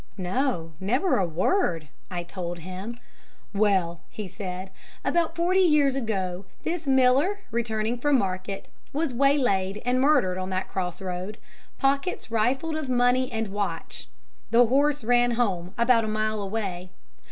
"'"No, never a word," I told him. "'"Well," he said, "about forty years ago this miller, returning from market, was waylaid and murdered on that cross road, pockets rifled of money and watch. The horse ran home, about a mile away.